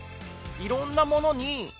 いろんなものに。